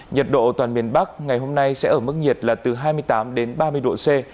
nhiệt độ toàn miền bắc ngày hôm nay sẽ ở mức nhiệt là từ hai mươi tám đến ba mươi độ c